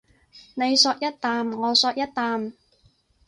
你嗦一啖我嗦一啖